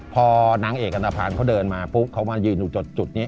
พอนางเอกอันตภัณฑ์เขาเดินมาปุ๊บเขามายืนตรงจุดนี้